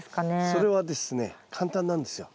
それはですね簡単なんですよ。